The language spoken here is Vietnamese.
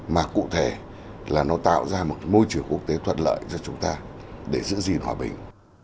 mà cụ thể là nó tạo ra một môi trường quốc tế thuận lợi cho chúng ta để giữ gìn hòa bình